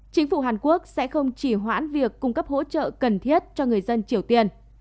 chính phủ hàn quốc sẽ không chỉ hoãn việc cung cấp hỗ trợ cần thiết cho người dân triều tiên